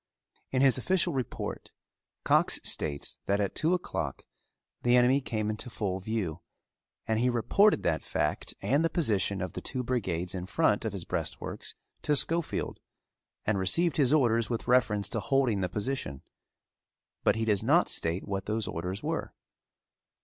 In his official report Cox states that at two o'clock the enemy came into full view and he reported that fact and the position of the two brigades in front of his breastworks to Schofield and received his orders with reference to holding the position; but he does not state what those orders were.